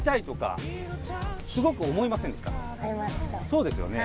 そうですよね。